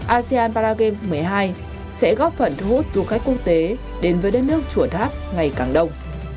asean paragames một mươi hai sẽ góp phần hút du khách quốc tế đến với đất nước chuột hát ngày càng đông